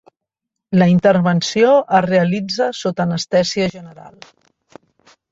La intervenció es realitza sota anestèsia general.